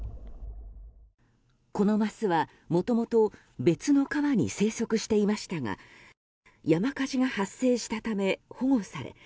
このマスは、もともと別の川に生息していましたが山火事が発生したため保護され